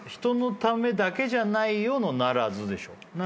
「人のためだけじゃないよ」の「ならず」でしょ。